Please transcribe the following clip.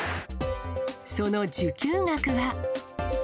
その受給額は。